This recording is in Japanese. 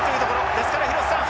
ですから廣瀬さん